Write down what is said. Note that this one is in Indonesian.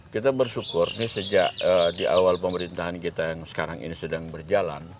kita bersyukur ini sejak di awal pemerintahan kita yang sekarang ini sedang berjalan